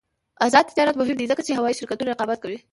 آزاد تجارت مهم دی ځکه چې هوايي شرکتونه رقابت کوي.